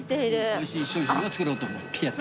おいしい商品を作ろうと思ってやってます。